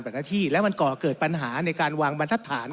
บันไดที่แล้วมันก็เกิดปัญหาในการวางบันทธาน